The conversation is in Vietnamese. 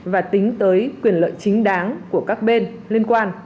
và tính tới quyền lợi chính đáng của các bên liên quan